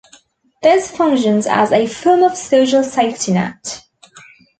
This functions as a form of social safety net.